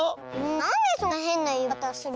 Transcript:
なんでそんなへんなよびかたするの？